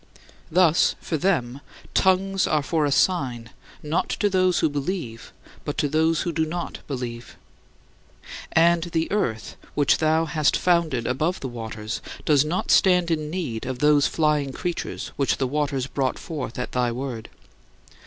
Thus, for them, "tongues are for a sign, not to those who believe but to those who do not believe." And the earth which thou hast founded above the waters does not stand in need of those flying creatures which the waters brought forth at thy word.